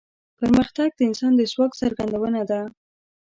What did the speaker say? پرمختګ د انسان د ځواک څرګندونه ده.